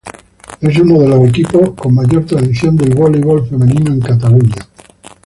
Es uno de los equipos con mayor tradición del voleibol femenino en Cataluña.